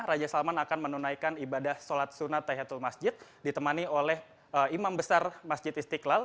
raja salman akan menunaikan ibadah sholat sunat tahiyatul masjid ditemani oleh imam besar masjid istiqlal